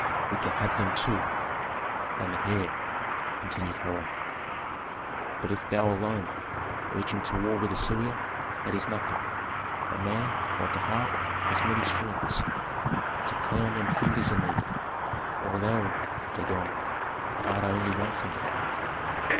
"We can have them too." "And the heir," continued Hiram. "But if thou alone urge him to war with Assyria, that is nothing. A man, like a harp, has many strings, and to play on them fingers are needed, while thou, Dagon, art only one finger."